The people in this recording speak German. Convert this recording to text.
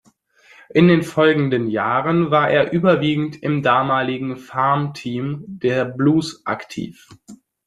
In den folgenden Jahren war er überwiegend im damaligen Farmteam der Blues aktiv.